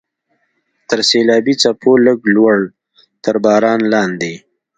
تر سیلابي څپو لږ لوړ، تر باران لاندې.